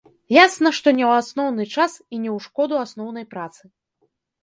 Ясна, што не ў асноўны час і не ў шкоду асноўнай працы.